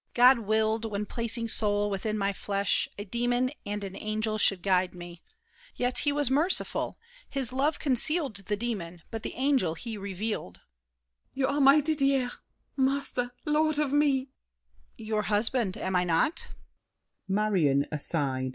God willed, when placing soul within my flesh, A demon and an angel should guide me. Yet he was merciful; his love concealed The demon, but the angel he revealed. MARION. You are my Didier, master, lord of me! DIDIER. Your husband, am I not?